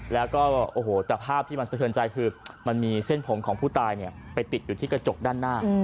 แล้วก็โอ้โหแต่ภาพที่มันสะเทินใจคือมันมีเส้นผมของผู้ตายไปติดอยู่ที่กระจกด้านหน้า